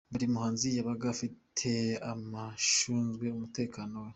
Buri Muhanzi yabaga afite abashunzwe umutekano we.